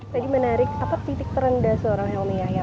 tadi menarik apa titik terendah seorang helmi yahya